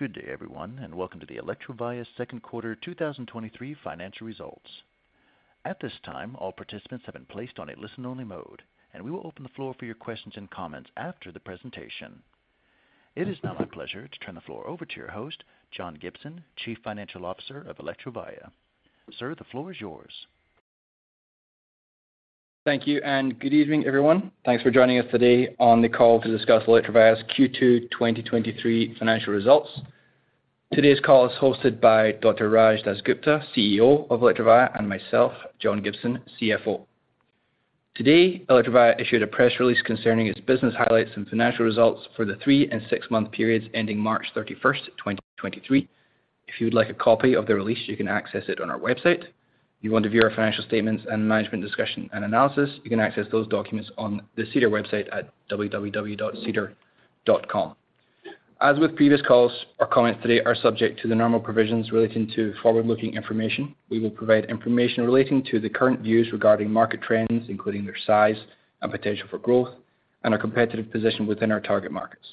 Good day, everyone, and welcome to the Electrovaya Q2 2023 financial results. At this time, all participants have been placed on a listen-only mode, and we will open the floor for your questions and comments after the presentation. It is now my pleasure to turn the floor over to your host, John Gibson, Chief Financial Officer of Electrovaya. Sir, the floor is yours. Thank you, good evening, everyone. Thanks for joining us today on the call to discuss Electrovaya's Q2 2023 financial results. Today's call is hosted by Dr. Raj DasGupta, CEO of Electrovaya, and myself, John Gibson, CFO. Today, Electrovaya issued a press release concerning its business highlights and financial results for the 3 and 6-month periods ending March 31, 2023. If you would like a copy of the release, you can access it on our website. If you want to view our financial statements and management discussion and analysis, you can access those documents on the SEDAR website at www.sedar.com. As with previous calls, our comments today are subject to the normal provisions relating to forward-looking information. We will provide information relating to the current views regarding market trends, including their size and potential for growth and our competitive position within our target markets.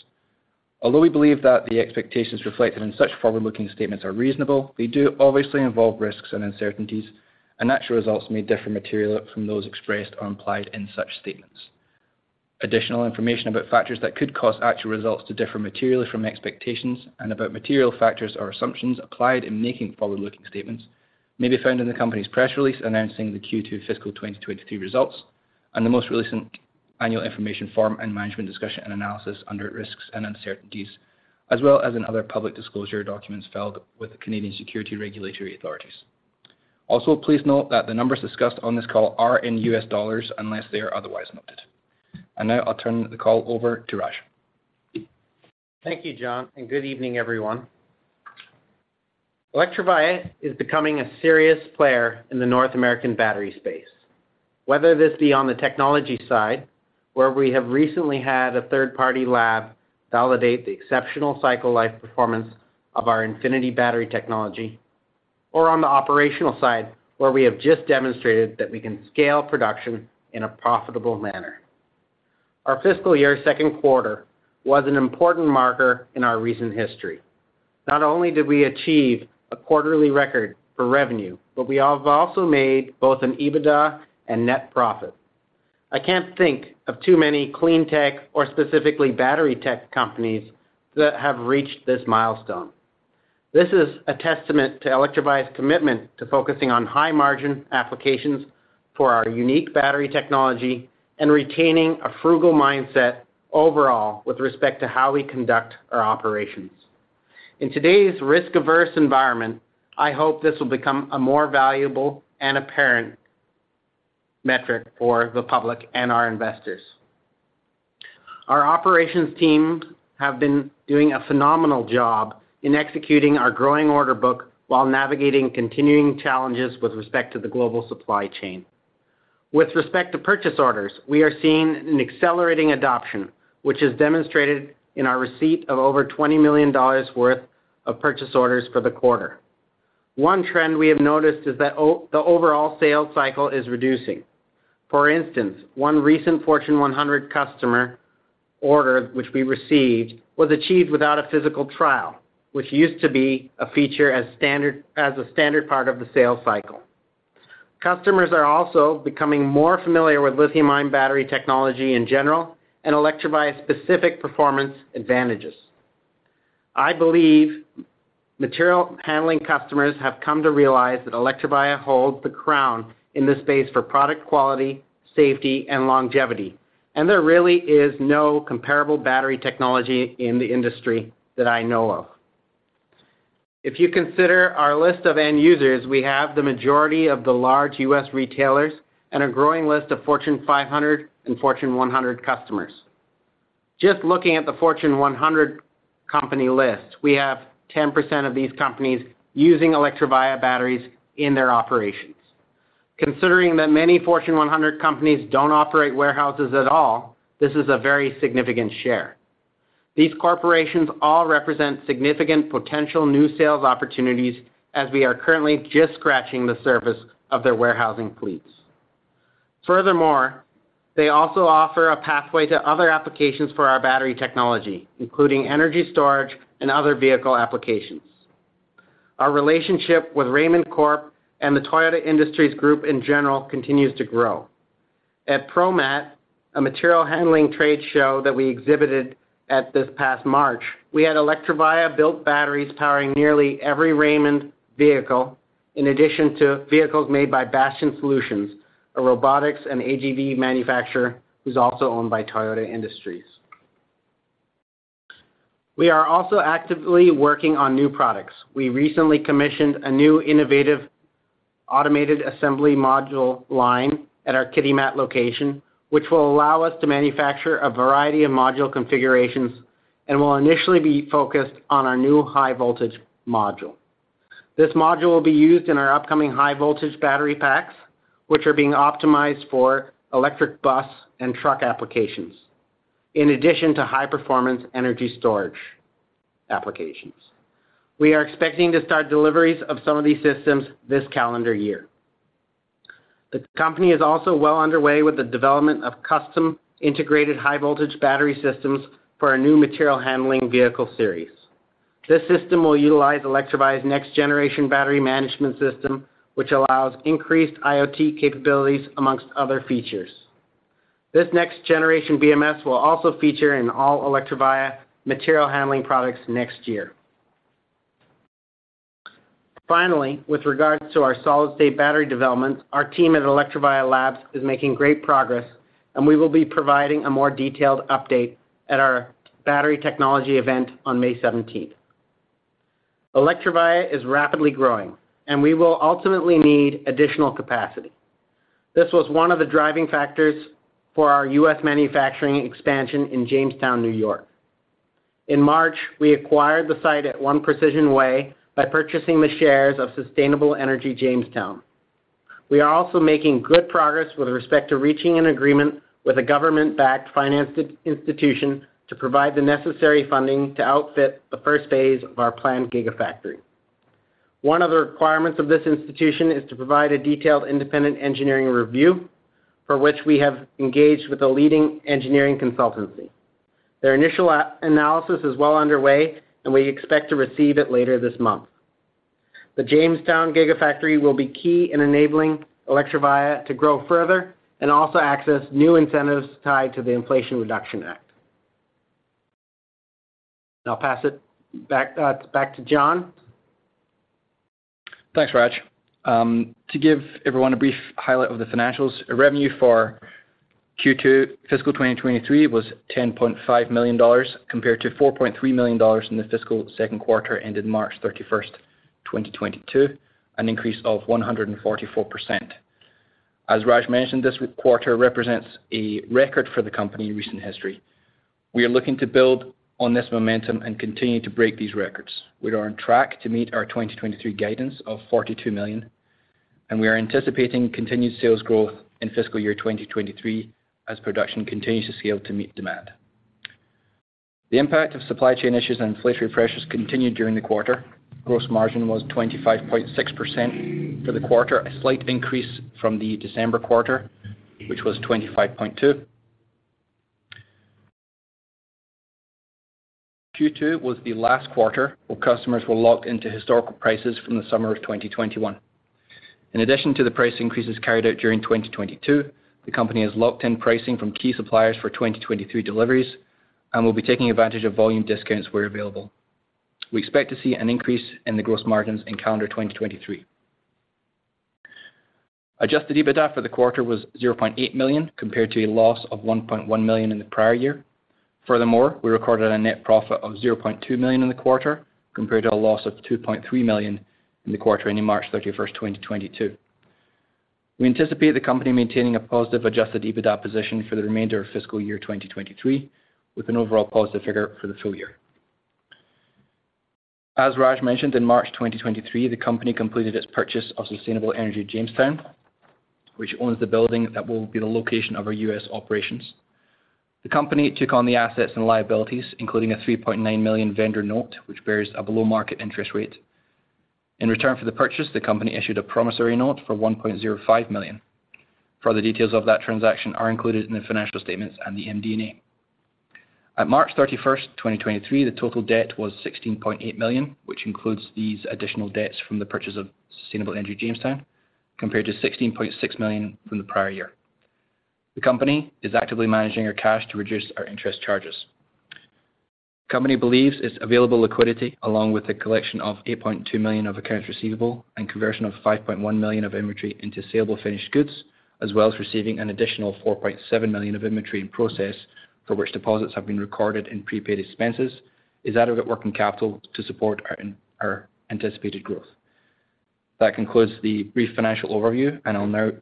Although we believe that the expectations reflected in such forward-looking statements are reasonable, they do obviously involve risks and uncertainties, and actual results may differ materially from those expressed or implied in such statements. Additional information about factors that could cause actual results to differ materially from expectations and about material factors or assumptions applied in making forward-looking statements may be found in the company's press release announcing the Q2 fiscal 2023 results and the most recent annual information form and management discussion and analysis under Risks and Uncertainties, as well as in other public disclosure documents filed with the Canadian security regulatory authorities. Also, please note that the numbers discussed on this call are in US dollars unless they are otherwise noted. Now I'll turn the call over to Raj. Thank you, John. Good evening, everyone. Electrovaya is becoming a serious player in the North American battery space. Whether this be on the technology side, where we have recently had a third-party lab validate the exceptional cycle life performance of our Infinity Battery Technology or on the operational side, where we have just demonstrated that we can scale production in a profitable manner. Our fiscal year Q2 was an important marker in our recent history. Not only did we achieve a quarterly record for revenue, we have also made both an EBITDA and net profit. I can't think of too many clean tech or specifically battery tech companies that have reached this milestone. This is a testament to Electrovaya's commitment to focusing on high-margin applications for our unique battery technology and retaining a frugal mindset overall with respect to how we conduct our operations. In today's risk-averse environment, I hope this will become a more valuable and apparent metric for the public and our investors. Our operations team have been doing a phenomenal job in executing our growing order book while navigating continuing challenges with respect to the global supply chain. With respect to purchase orders, we are seeing an accelerating adoption, which is demonstrated in our receipt of over $20 million worth of purchase orders for the quarter. One trend we have noticed is that the overall sales cycle is reducing. For instance, one recent Fortune 100 customer order which we received was achieved without a physical trial, which used to be a feature as a standard part of the sales cycle. Customers are also becoming more familiar with lithium-ion battery technology in general and Electrovaya's specific performance advantages. I believe material handling customers have come to realize that Electrovaya holds the crown in this space for product quality, safety, and longevity. There really is no comparable battery technology in the industry that I know of. If you consider our list of end users, we have the majority of the large US retailers and a growing list of Fortune 500 and Fortune 100 customers. Just looking at the Fortune 100 company list, we have 10% of these companies using Electrovaya batteries in their operations. Considering that many Fortune 100 companies don't operate warehouses at all, this is a very significant share. These corporations all represent significant potential new sales opportunities as we are currently just scratching the surface of their warehousing fleets. Furthermore, they also offer a pathway to other applications for our battery technology, including energy storage and other vehicle applications. Our relationship with Raymond Corp and the Toyota Industries group in general continues to grow. At ProMat, a material handling trade show that we exhibited at this past March, we had Electrovaya-built batteries powering nearly every Raymond vehicle, in addition to vehicles made by Bastian Solutions, a robotics and AGV manufacturer who's also owned by Toyota Industries. We are also actively working on new products. We recently commissioned a new innovative automated assembly module line at our Kitimat location, which will allow us to manufacture a variety of module configurations and will initially be focused on our new high-voltage module. This module will be used in our upcoming high-voltage battery packs, which are being optimized for electric bus and truck applications, in addition to high-performance energy storage applications. We are expecting to start deliveries of some of these systems this calendar year. The company is also well underway with the development of custom integrated high voltage battery systems for our new material handling vehicle series. This system will utilize Electrovaya's next generation battery management system, which allows increased IoT capabilities amongst other features. This next generation BMS will also feature in all Electrovaya material handling products next year. With regards to our solid-state battery development, our team at Electrovaya Labs is making great progress, and we will be providing a more detailed update at our battery technology event on May 17th. Electrovaya is rapidly growing, and we will ultimately need additional capacity. This was one of the driving factors for our U.S. manufacturing expansion in Jamestown, New York. In March, we acquired the site at One Precision Way by purchasing the shares of Sustainable Energy Jamestown. We are also making good progress with respect to reaching an agreement with a government-backed finance institution to provide the necessary funding to outfit the 1st phase of our planned gigafactory. One of the requirements of this institution is to provide a detailed independent engineering review, for which we have engaged with a leading engineering consultancy. Their initial analysis is well underway, and we expect to receive it later this month. The Jamestown gigafactory will be key in enabling Electrovaya to grow further and also access new incentives tied to the Inflation Reduction Act. I'll pass it back to John. Thanks, Raj. To give everyone a brief highlight of the financials, revenue for Q2 fiscal 2023 was $10.5 million compared to $4.3 million in the fiscal Q2 ended March 31, 2022, an increase of 144%. As Raj mentioned, this quarter represents a record for the company in recent history. We are looking to build on this momentum and continue to break these records. We are on track to meet our 2023 guidance of $42 million, and we are anticipating continued sales growth in fiscal year 2023 as production continues to scale to meet demand. The impact of supply chain issues and inflationary pressures continued during the quarter. Gross margin was 25.6% for the quarter, a slight increase from the December quarter, which was 25.2%. Q2 was the last quarter where customers were locked into historical prices from the summer of 2021. In addition to the price increases carried out during 2022, the company has locked in pricing from key suppliers for 2023 deliveries and will be taking advantage of volume discounts where available. We expect to see an increase in the gross margins in calendar 2023. Adjusted EBITDA for the quarter was $0.8 million, compared to a loss of $1.1 million in the prior year. Furthermore, we recorded a net profit of $0.2 million in the quarter, compared to a loss of $2.3 million in the quarter ending March 31st, 2022. We anticipate the company maintaining a positive adjusted EBITDA position for the remainder of fiscal year 2023, with an overall positive figure for the full year. As Raj mentioned, in March 2023, the company completed its purchase of Sustainable Energy Jamestown, which owns the building that will be the location of our U.S. operations. The company took on the assets and liabilities, including a $3.9 million vendor note, which bears a below-market interest rate. In return for the purchase, the company issued a promissory note for $1.05 million. Further details of that transaction are included in the financial statements and the MD&A. At March 31, 2023, the total debt was $16.8 million, which includes these additional debts from the purchase of Sustainable Energy Jamestown, compared to $16.6 million from the prior year. The company is actively managing our cash to reduce our interest charges. The company believes its available liquidity, along with the collection of $8.2 million of accounts receivable and conversion of $5.1 million of inventory into saleable finished goods, as well as receiving an additional $4.7 million of inventory in process, for which deposits have been recorded in prepaid expenses, is adequate working capital to support our anticipated growth. I'll now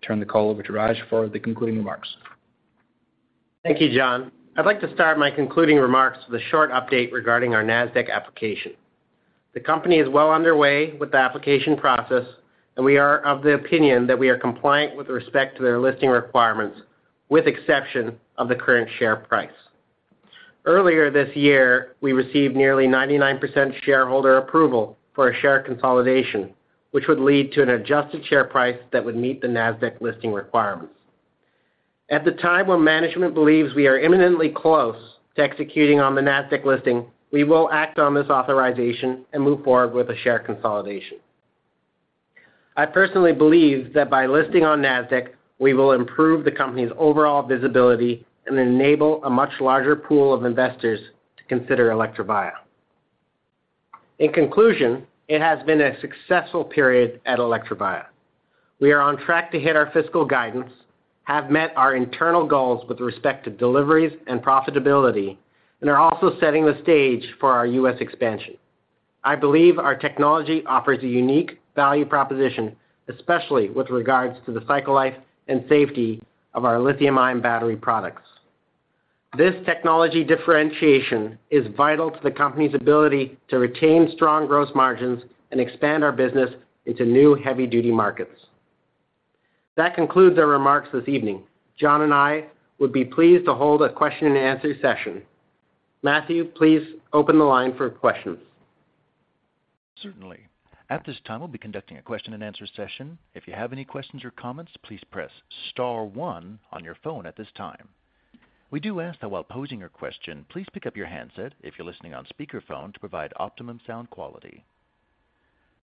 turn the call over to Raj for the concluding remarks. Thank you, John. I'd like to start my concluding remarks with a short update regarding our Nasdaq application. The company is well underway with the application process. We are of the opinion that we are compliant with respect to their listing requirements, with exception of the current share price. Earlier this year, we received nearly 99% shareholder approval for a share consolidation, which would lead to an adjusted share price that would meet the Nasdaq listing requirements. At the time when management believes we are imminently close to executing on the Nasdaq listing, we will act on this authorization and move forward with the share consolidation. I personally believe that by listing on Nasdaq, we will improve the company's overall visibility and enable a much larger pool of investors to consider Electrovaya. In conclusion, it has been a successful period at Electrovaya. We are on track to hit our fiscal guidance, have met our internal goals with respect to deliveries and profitability, and are also setting the stage for our US expansion. I believe our technology offers a unique value proposition, especially with regards to the cycle life and safety of our lithium-ion battery products. This technology differentiation is vital to the company's ability to retain strong gross margins and expand our business into new heavy-duty markets. That concludes our remarks this evening. John and I would be pleased to hold a question and answer session. Matthew, please open the line for questions. Certainly. At this time, we'll be conducting a question and answer session. If you have any questions or comments, please press star 1 on your phone at this time. We do ask that while posing your question, please pick up your handset if you're listening on speakerphone to provide optimum sound quality.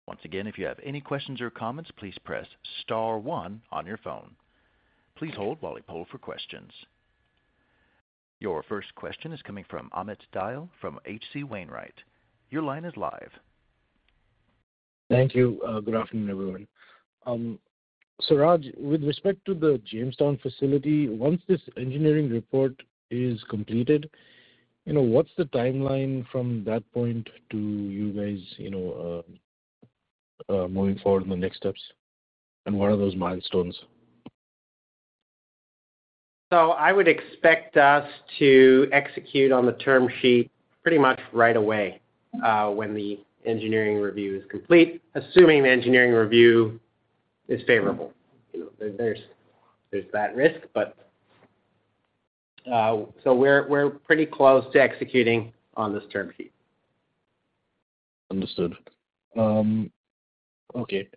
Once again, if you have any questions or comments, please press star 1 on your phone. Please hold while we poll for questions. Your 1st question is coming from Amit Dayal from H.C. Wainwright. Your line is live. Thank you. Good afternoon, everyone. Raj, with respect to the Jamestown facility, once this engineering report is completed, you know, what's the timeline from that point to you guys, you know, moving forward in the next steps, and what are those milestones? I would expect us to execute on the term sheet pretty much right away, when the engineering review is complete, assuming the engineering review is favorable. You know, there's that risk. We're pretty close to executing on this term sheet. Understood. Okay.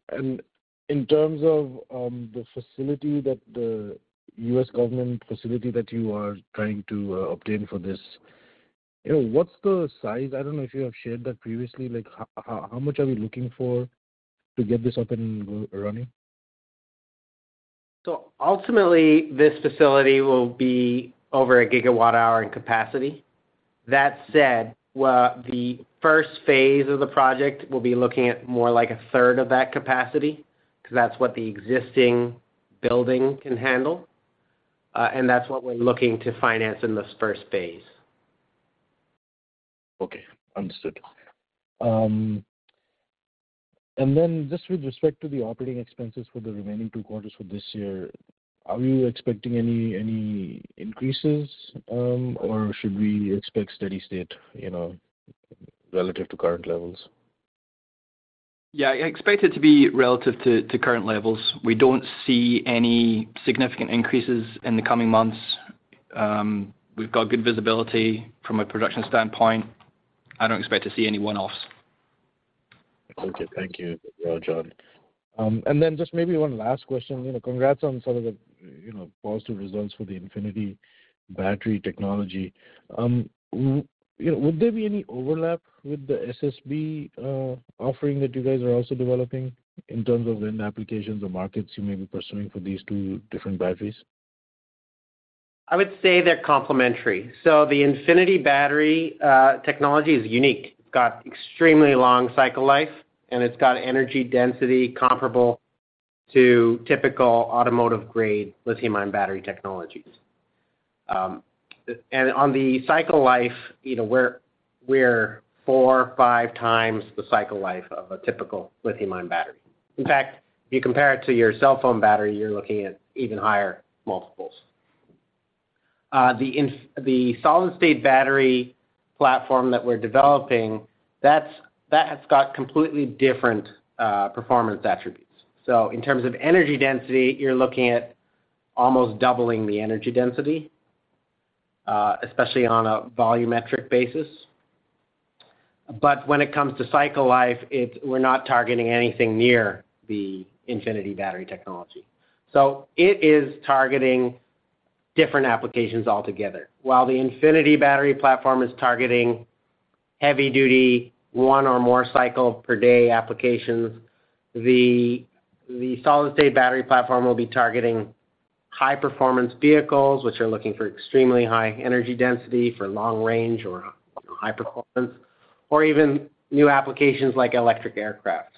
In terms of the facility that the U.S. government facility that you are trying to obtain for this, you know, what's the size? I don't know if you have shared that previously. Like, how much are we looking for to get this up and running? Ultimately, this facility will be over a gigawatt hour in capacity. That said, the 1st phase of the project will be looking at more like a third of that capacity because that's what the existing building can handle, and that's what we're looking to finance in this 1st phase. Okay. Understood. Just with respect to the operating expenses for the remaining two quarters for this year, are you expecting any increases, or should we expect steady state, you know, relative to current levels? Yeah, I expect it to be relative to current levels. We don't see any significant increases in the coming months. We've got good visibility from a production standpoint. I don't expect to see any one-offs. Thank you, John. Then just maybe one last question. You know, congrats on some of the, you know, positive results for the Infinity Battery Technology. You know, would there be any overlap with the SSB offering that you guys are also developing in terms of end applications or markets you may be pursuing for these two different batteries? I would say they're complementary. The Infinity Battery Technology is unique. It's got extremely long cycle life, and it's got energy density comparable to typical automotive-grade lithium-ion battery technologies. On the cycle life, you know, we're four, five times the cycle life of a typical lithium-ion battery. In fact, if you compare it to your cell phone battery, you're looking at even higher multiples. The solid-state battery platform that we're developing, that has got completely different performance attributes. In terms of energy density, you're looking at almost doubling the energy density, especially on a volumetric basis. When it comes to cycle life, we're not targeting anything near the Infinity Battery Technology. It is targeting different applications altogether. While the Infinity Battery platform is targeting heavy-duty one or more cycle per day applications, the solid-state battery platform will be targeting high-performance vehicles, which are looking for extremely high energy density for long range or high performance or even new applications like electric aircraft.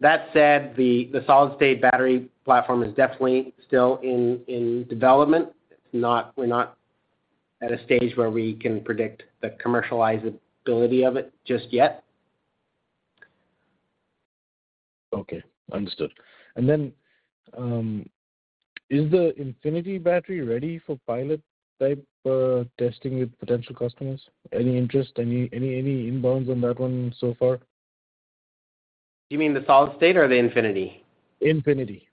That said, the solid-state battery platform is definitely still in development. We're not at a stage where we can predict the commercializability of it just yet. Okay. Understood. Is the Infinity battery ready for pilot-type, testing with potential customers? Any interest? Any inbounds on that one so far? You mean the solid-state or the Infinity? Infinity.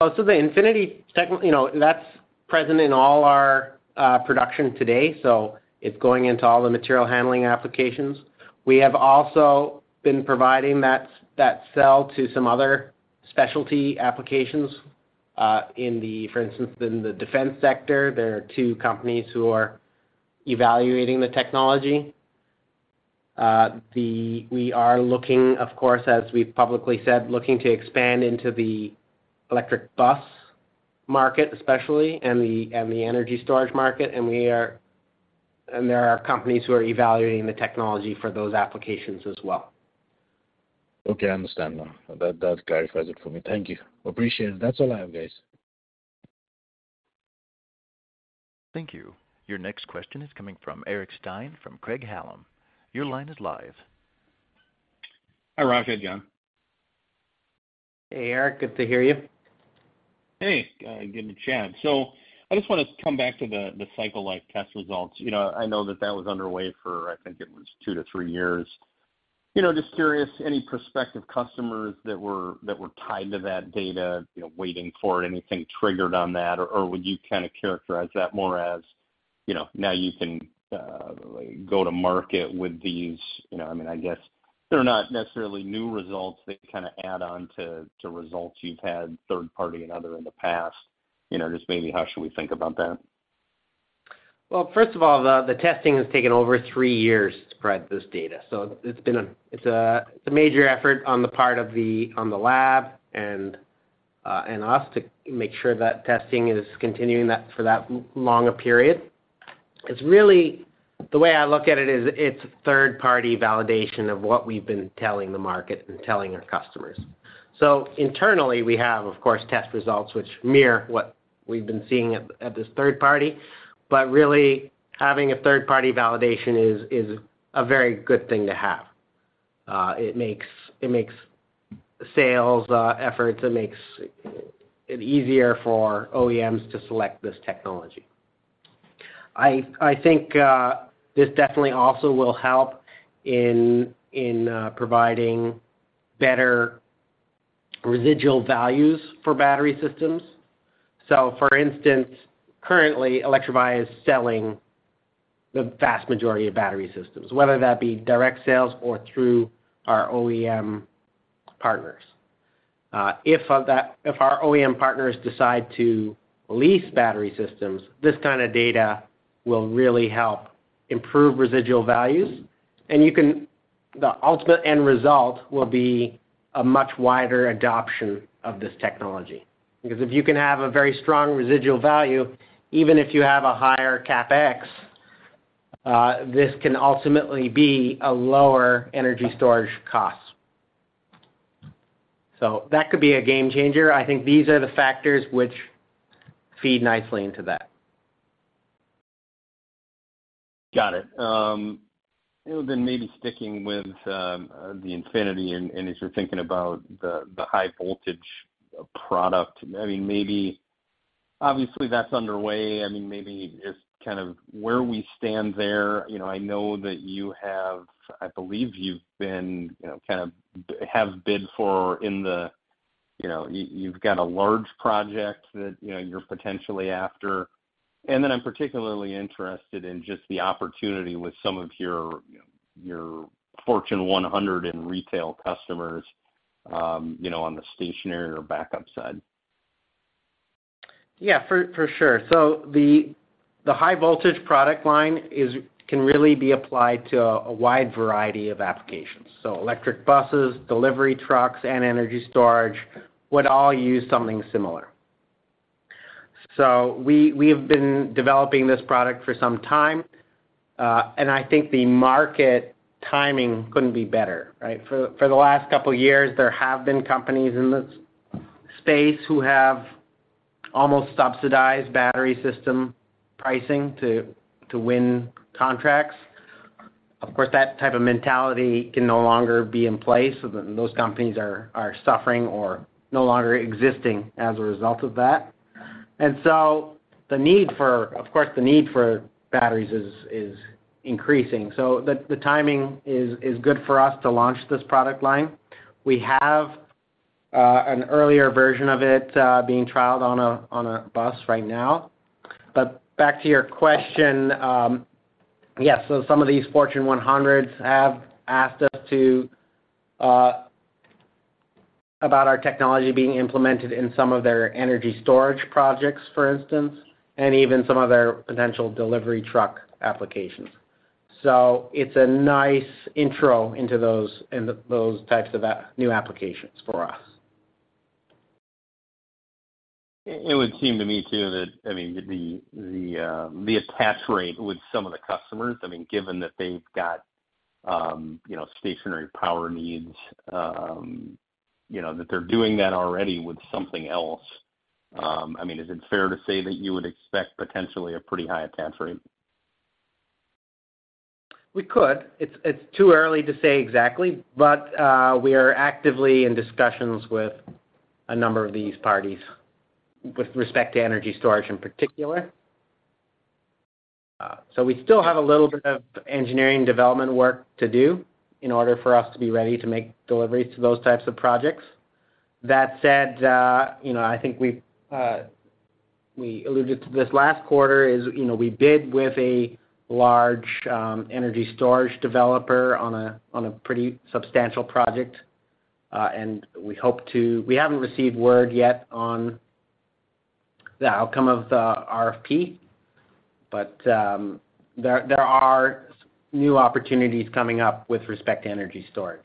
The Infinity you know, that's present in all our production today, so it's going into all the material handling applications. We have also been providing that cell to some other specialty applications, for instance, in the defense sector, there are two companies who are evaluating the technology. We are looking of course, as we've publicly said, looking to expand into the electric bus market especially, and the energy storage market, and there are companies who are evaluating the technology for those applications as well. Okay. I understand now. That clarifies it for me. Thank you. Appreciate it. That's all I have, guys. Thank you. Your next question is coming from Eric Stine from Craig-Hallum. Your line is live. Hi, Raj. Hey, John. Hey, Erik. Good to hear you. Hey, good to chat. I just want to come back to the cycle life test results. You know, I know that that was underway for, I think it was 2-3 years. You know, just curious, any prospective customers that were tied to that data, you know, waiting for anything triggered on that? Or would you kind of characterize that more as? You know, now you can go to market with these, you know, I mean, I guess they're not necessarily new results that kind of add on to results you've had third party and other in the past. You know, just maybe how should we think about that? Well, first of all, the testing has taken over three years to spread this data. It's a major effort on the part of the lab and us to make sure that testing is continuing for that long a period. It's really, the way I look at it is it's third-party validation of what we've been telling the market and telling our customers. Internally, we have, of course, test results which mirror what we've been seeing at this third party. Really having a third-party validation is a very good thing to have. It makes sales efforts, it makes it easier for OEMs to select this technology. I think this definitely also will help in providing better residual values for battery systems. For instance, currently, Electrovaya is selling the vast majority of battery systems, whether that be direct sales or through our OEM partners. If our OEM partners decide to lease battery systems, this kind of data will really help improve residual values. The ultimate end result will be a much wider adoption of this technology. If you can have a very strong residual value, even if you have a higher CapEx, this can ultimately be a lower energy storage cost. That could be a game changer. I think these are the factors which feed nicely into that. Got it. Then maybe sticking with the Infinity and, as you're thinking about the high voltage product, maybe obviously that's underway. Maybe just kind of where we stand there. I know that I believe you've been have bid for in the, you've got a large project that you're potentially after. I'm particularly interested in just the opportunity with some of your Fortune 100 in retail customers on the stationary or backup side. Yeah, for sure. The high voltage product line can really be applied to a wide variety of applications. Electric buses, delivery trucks, and energy storage would all use something similar. We have been developing this product for some time, and I think the market timing couldn't be better, right? For the last 2 years, there have been companies in this space who have almost subsidized battery system pricing to win contracts. Of course, that type of mentality can no longer be in place, so those companies are suffering or no longer existing as a result of that. The need for batteries is increasing. The timing is good for us to launch this product line. We have an earlier version of it being trialed on a, on a bus right now. Back to your question, yes. Some of these Fortune 100s have asked us about our technology being implemented in some of their energy storage projects, for instance, and even some of their potential delivery truck applications. It's a nice intro into those, into those types of new applications for us. It would seem to me too that, I mean, the attach rate with some of the customers, I mean, given that they've got, you know, stationary power needs, you know, that they're doing that already with something else, I mean, is it fair to say that you would expect potentially a pretty high attach rate? We could. It's too early to say exactly, but we are actively in discussions with a number of these parties with respect to energy storage in particular. We still have a little bit of engineering development work to do in order for us to be ready to make deliveries to those types of projects. That said, you know, I think we've, we alluded to this last quarter is, you know, we bid with a large energy storage developer on a pretty substantial project. We haven't received word yet on the outcome of the RFP, but there are new opportunities coming up with respect to energy storage.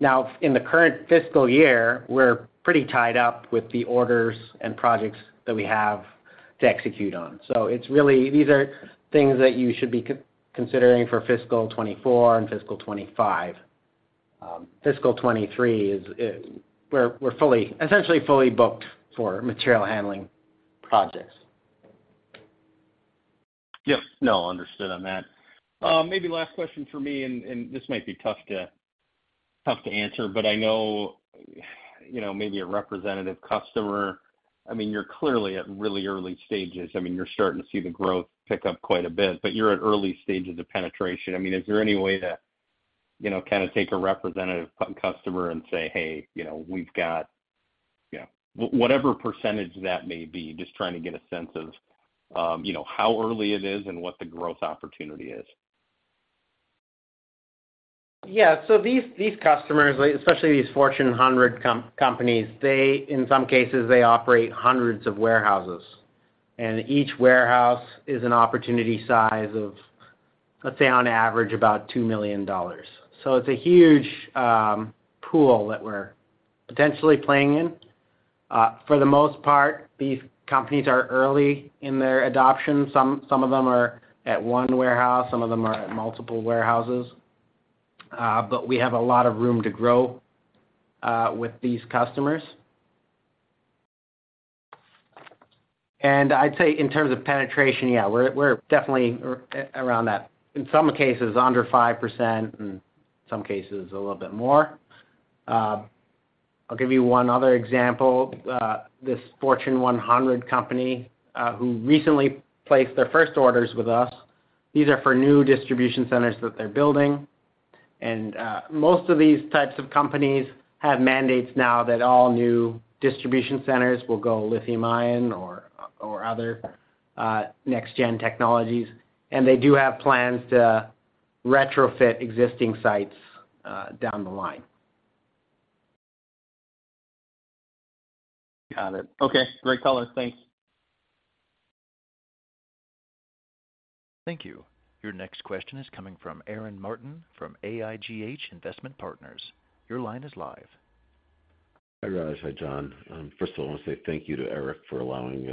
In the current fiscal year, we're pretty tied up with the orders and projects that we have to execute on. It's really, these are things that you should be considering for fiscal 2024 and fiscal 2025. Fiscal 2023 is we're essentially fully booked for material handling projects. Yes. No, understood on that. Maybe last question for me, and this might be tough to answer, but I know, you know, maybe a representative customer. I mean, you're clearly at really early stages. I mean, you're starting to see the growth pick up quite a bit, but you're at early stages of penetration. I mean, is there any way to you know, kind of take a representative customer and say, "Hey, you know, we've got," you know, whatever percentage that may be. Just trying to get a sense of, you know, how early it is and what the growth opportunity is. Yeah. These customers, like especially these Fortune 100 companies, they, in some cases, they operate hundreds of warehouses, and each warehouse is an opportunity size of, let's say on average about $2 million. It's a huge pool that we're potentially playing in. For the most part, these companies are early in their adoption. Some of them are at one warehouse, some of them are at multiple warehouses. But we have a lot of room to grow with these customers. I'd say in terms of penetration, yeah, we're definitely around that. In some cases under 5%, in some cases a little bit more. I'll give you one other example. This Fortune 100 company who recently placed their 1st orders with us, these are for new distribution centers that they're building. Most of these types of companies have mandates now that all new distribution centers will go lithium ion or other, next gen technologies. They do have plans to retrofit existing sites, down the line. Got it. Okay, great color. Thanks. Thank you. Your next question is coming from Aaron Martin from AIGH Investment Partners. Your line is live. Hi, Raj. Hi, John. First of all, I want to say thank you to Eric for allowing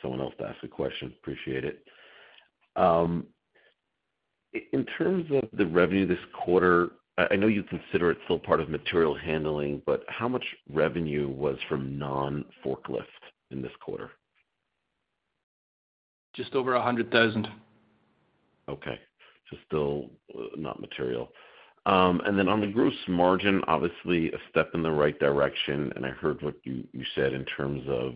someone else to ask a question. Appreciate it. In terms of the revenue this quarter, I know you consider it still part of material handling, but how much revenue was from non-forklift in this quarter? Just over $100,000. Okay. Still not material. Then on the gross margin, obviously a step in the right direction, and I heard what you said in terms of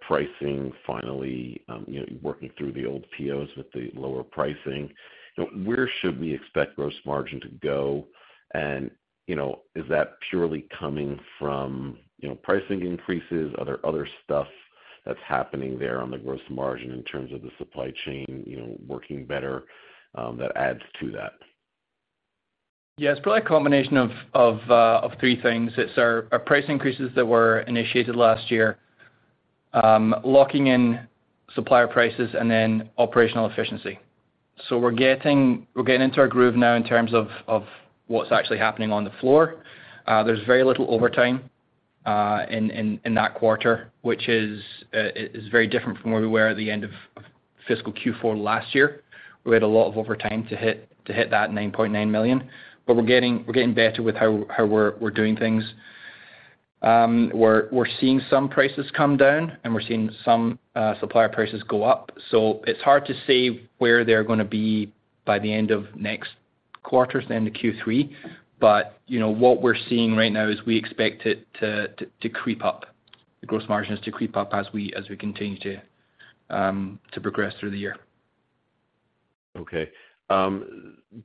pricing finally, you know, working through the old POs with the lower pricing. You know, where should we expect gross margin to go? You know, is that purely coming from, you know, pricing increases? Are there other stuff that's happening there on the gross margin in terms of the supply chain, you know, working better, that adds to that? It's probably a combination of three things. It's our price increases that were initiated last year, locking in supplier prices and then operational efficiency. We're getting into our groove now in terms of what's actually happening on the floor. There's very little overtime in that quarter, which is very different from where we were at the end of fiscal Q4 last year. We had a lot of overtime to hit that $9.9 million. We're getting better with how we're doing things. We're seeing some prices come down, and we're seeing some supplier prices go up. It's hard to say where they're gonna be by the end of next quarter's, the end of Q3. you know, what we're seeing right now is we expect it to creep up, the gross margins to creep up as we continue to progress through the year.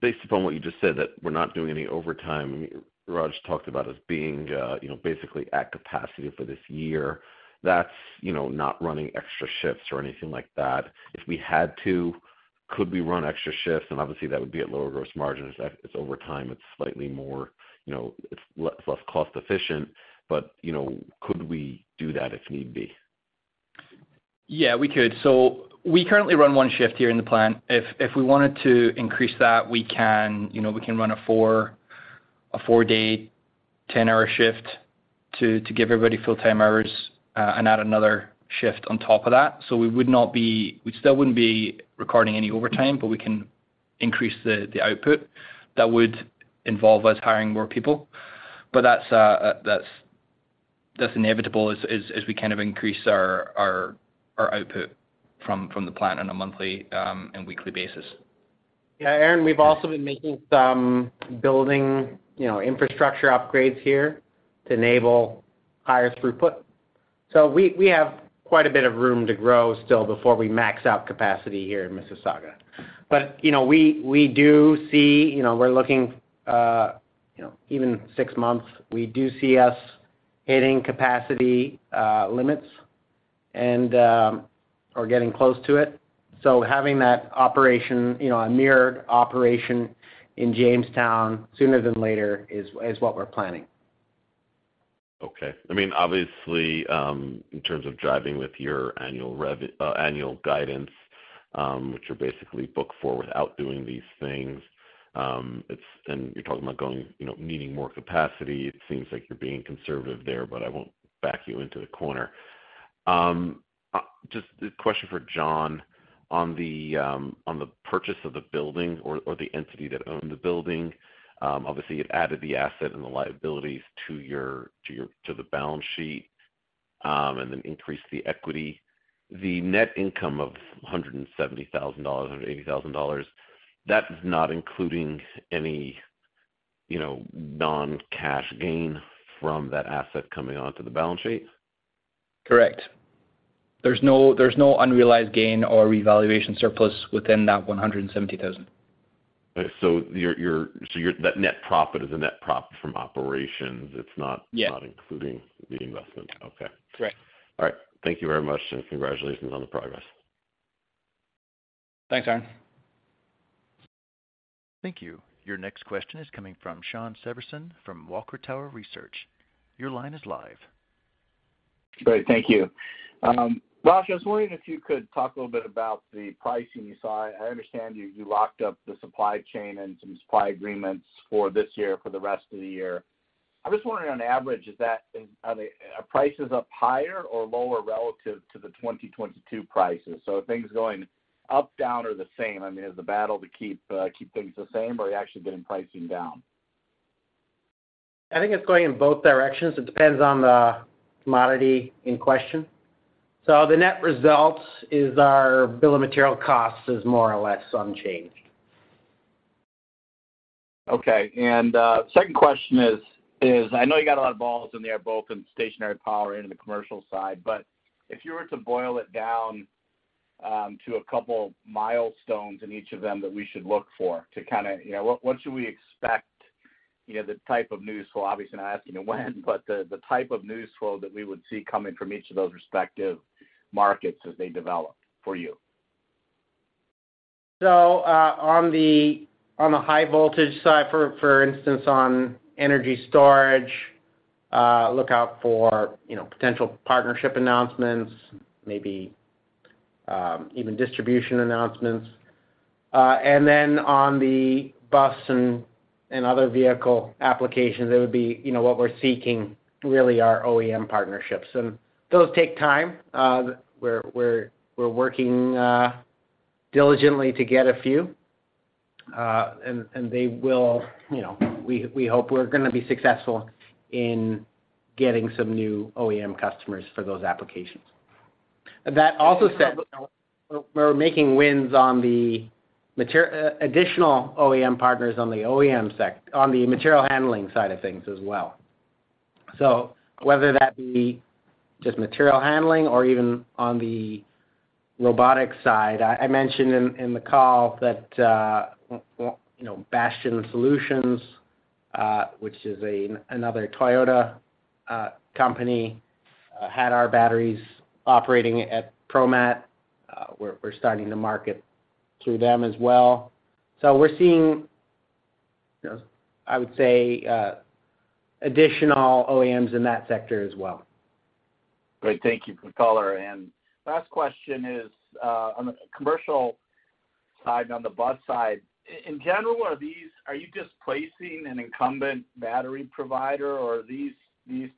Based upon what you just said, that we're not doing any overtime, Raj talked about us being, you know, basically at capacity for this year. That's, you know, not running extra shifts or anything like that. If we had to, could we run extra shifts? Obviously that would be at lower gross margins. If it's over time, it's slightly more, you know, it's less cost efficient. You know, could we do that if need be? Yeah, we could. We currently run one shift here in the plant. If we wanted to increase that, we can, you know, we can run a four-day, 10-hour shift to give everybody full-time hours, and add another shift on top of that. We still wouldn't be recording any overtime, but we can increase the output. That would involve us hiring more people. That's inevitable as we kind of increase our output from the plant on a monthly, and weekly basis. Yeah. Aaron, we've also been making some building, you know, infrastructure upgrades here to enable higher throughput. We have quite a bit of room to grow still before we max out capacity here in Mississauga. You know, we do see, you know, we're looking, you know, even 6 months, we do see us hitting capacity limits and or getting close to it. Having that operation, you know, a mirrored operation in Jamestown sooner than later is what we're planning. I mean, obviously, in terms of driving with your annual guidance, which you're basically booked for without doing these things, you're talking about going, you know, needing more capacity. It seems like you're being conservative there, but I won't back you into the corner. Just a question for John. On the, on the purchase of the building or the entity that owned the building, obviously it added the asset and the liabilities to your to the balance sheet, then increased the equity. The net income of $170,000, $180,000, that's not including any, you know, non-cash gain from that asset coming onto the balance sheet? Correct. There's no, there's no unrealized gain or revaluation surplus within that $170,000. That net profit is a net profit from operations. It's not- Yeah. Not including the investment. Okay. Correct. All right. Thank you very much, and congratulations on the progress. Thanks, Aaron. Thank you. Your next question is coming from Shawn Severson from Water Tower Research. Your line is live. Great. Thank you. Raj, I was wondering if you could talk a little bit about the pricing you saw. I understand you locked up the supply chain and some supply agreements for this year, for the rest of the year. I'm just wondering on average, is that, are prices up higher or lower relative to the 2022 prices? Are things going up, down, or the same? I mean, is the battle to keep things the same, or are you actually getting pricing down? I think it's going in both directions. It depends on the commodity in question. The net result is our bill of material costs is more or less unchanged. Okay. Second question is I know you got a lot of balls in the air, both in the stationary power and in the commercial side. If you were to boil it down to a couple milestones in each of them that we should look for to kinda, you know. What should we expect, you know, the type of news? Obviously not asking you when, but the type of news flow that we would see coming from each of those respective markets as they develop for you. On the high voltage side, for instance, on energy storage, look out for, you know, potential partnership announcements, maybe even distribution announcements. And then on the bus and other vehicle applications, it would be, you know, what we're seeking really are OEM partnerships. Those take time. We're working diligently to get a few, and they will, you know... We hope we're gonna be successful in getting some new OEM customers for those applications. That also said, we're making wins on the additional OEM partners on the material handling side of things as well. Whether that be just material handling or even on the robotics side. I mentioned in the call that, you know, Bastian Solutions, which is another Toyota company, had our batteries operating at ProMat. We're starting to market through them as well. We're seeing, you know, I would say, additional OEMs in that sector as well. Great. Thank you for the color. Last question is, on the commercial side and on the bus side, in general, are you just placing an incumbent battery provider, or are these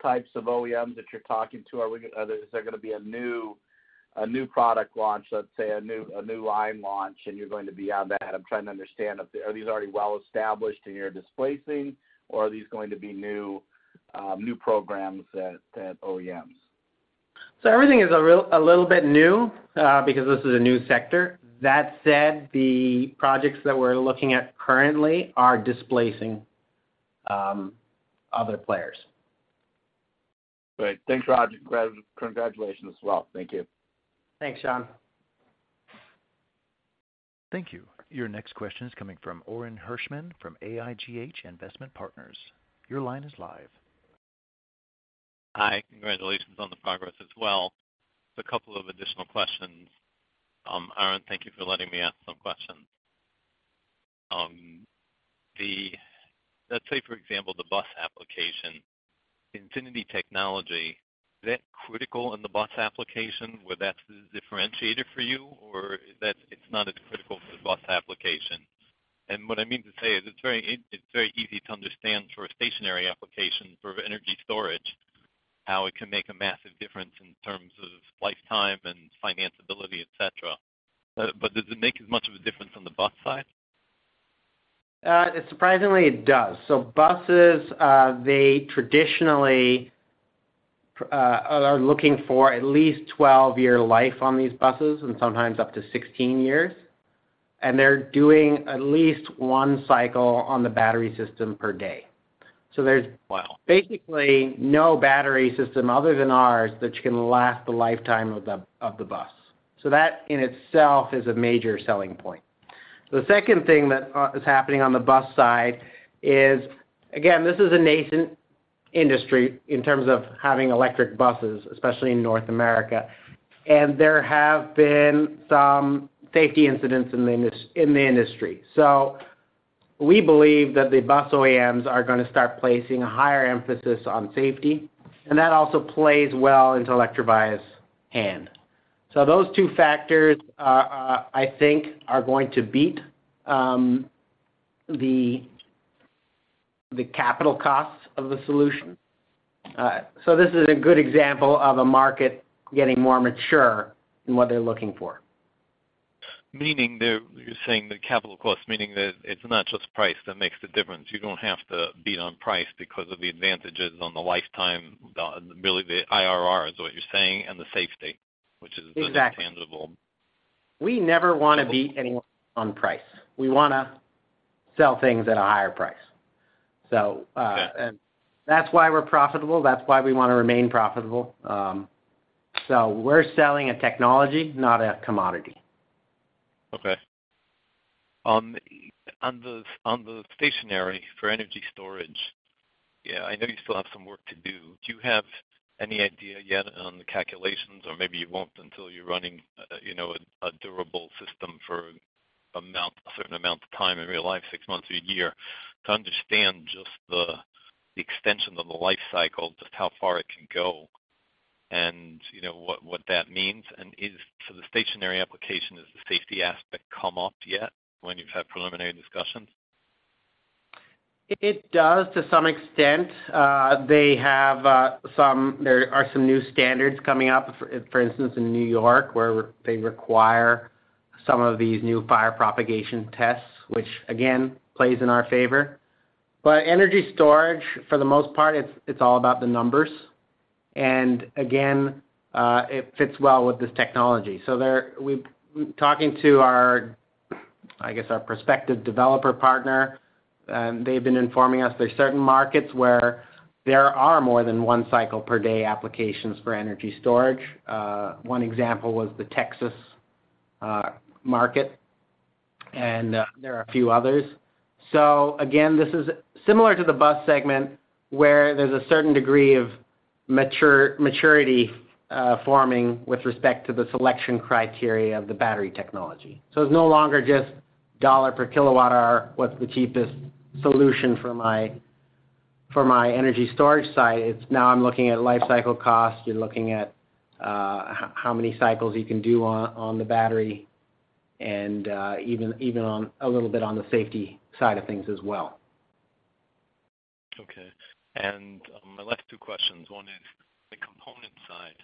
types of OEMs that you're talking to? Is there gonna be a new product launch, let's say a new line launch, and you're going to be on that? I'm trying to understand if are these already well established and you're displacing, or are these going to be new programs at OEMs? Everything is a little bit new, because this is a new sector. That said, the projects that we're looking at currently are displacing, other players. Great. Thanks, Raj. Congratulations as well. Thank you. Thanks, Shawn. Thank you. Your next question is coming from Orin Hirschman from AIGH Investment Partners. Your line is live. Hi. Congratulations on the progress as well. A couple of additional questions. Poe Fratt, thank you for letting me ask some questions. Let's say, for example, the bus application, Infinity Technology, is that critical in the bus application, where that's the differentiator for you? Or it's not as critical for the bus application? And what I mean to say is it's very easy to understand for a stationary application for energy storage, how it can make a massive difference in terms of lifetime and financability, et cetera. Does it make as much of a difference on the bus side? Surprisingly, it does. Buses, they traditionally, are looking for at least 12 year life on these buses, and sometimes up to 16 years. They're doing at least 1 cycle on the battery system per day. Wow. Basically no battery system other than ours that can last the lifetime of the, of the bus. That in itself is a major selling point. The second thing that is happening on the bus side is, again, this is a nascent industry in terms of having electric buses, especially in North America, and there have been some safety incidents in the industry. We believe that the bus OEMs are gonna start placing a higher emphasis on safety, and that also plays well into Electrovaya's hand. Those two factors I think are going to beat the capital costs of the solution. This is a good example of a market getting more mature in what they're looking for. Meaning you're saying the capital cost, meaning that it's not just price that makes the difference. You don't have to beat on price because of the advantages on the lifetime, really the IRR is what you're saying, and the safety. Exactly. The tangible. We never wanna beat anyone on price. We wanna sell things at a higher price. Yeah. That's why we're profitable, that's why we wanna remain profitable. We're selling a technology, not a commodity. Okay. On the, on the stationary for energy storage, yeah, I know you still have some work to do. Do you have any idea yet on the calculations or maybe you won't until you're running, you know, a durable system for a certain amount of time in real life, 6 months or 1 year, to understand just the extension of the life cycle, just how far it can go and, you know, what that means? So the stationary application, has the safety aspect come up yet when you've had preliminary discussions? It does to some extent. They have some. There are some new standards coming up, for instance, in New York, where they require some of these new fire propagation tests, which again plays in our favor. Energy storage, for the most part, it's all about the numbers. Again, it fits well with this technology. We talking to our, I guess, our prospective developer partner, they've been informing us there's certain markets where there are more than 1 cycle per day applications for energy storage. One example was the Texas market, and there are a few others. Again, this is similar to the bus segment, where there's a certain degree of maturity forming with respect to the selection criteria of the battery technology. It's no longer just $/kWh, what's the cheapest solution for my energy storage site. It's now I'm looking at lifecycle costs. You're looking at how many cycles you can do on the battery, and even on a little bit on the safety side of things as well. Okay. My last two questions. One is the component side.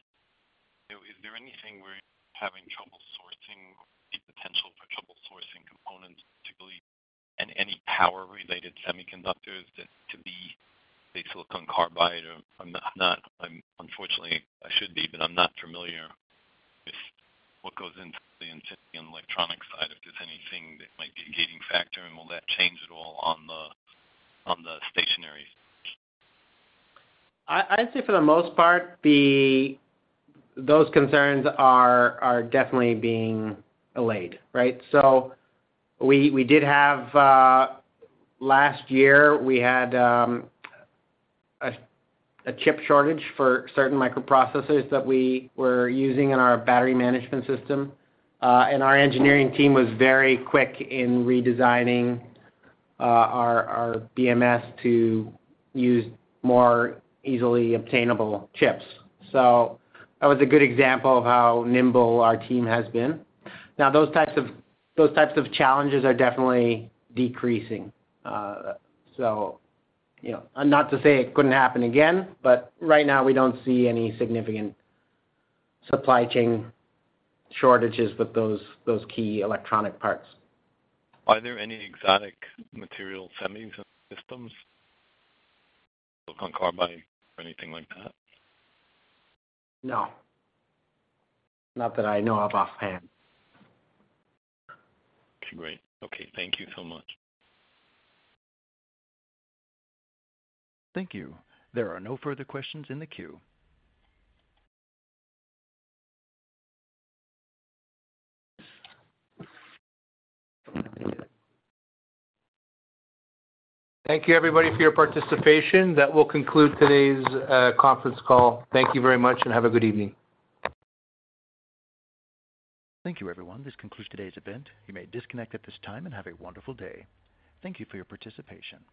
Is there anything we're having trouble sourcing, the potential for trouble sourcing components, particularly and any power-related semiconductors that to be the silicon carbide or not? I'm unfortunately I should be, but I'm not familiar with what goes into the incipient electronic side. If there's anything that might be a gating factor and will that change at all on the, on the stationary? I'd say for the most part, those concerns are definitely being allayed, right? We did have last year we had a chip shortage for certain microprocessors that we were using in our battery management system. Our engineering team was very quick in redesigning our BMS to use more easily obtainable chips. That was a good example of how nimble our team has been. Now, those types of challenges are definitely decreasing. You know, not to say it couldn't happen again, but right now we don't see any significant supply chain shortages with those key electronic parts. Are there any exotic material semis systems, silicon carbide or anything like that? No. Not that I know of offhand. Okay, great. Okay, thank you so much. Thank you. There are no further questions in the queue. Thank you everybody for your participation. That will conclude today's conference call. Thank you very much and have a good evening. Thank you everyone. This concludes today's event. You may disconnect at this time and have a wonderful day. Thank you for your participation.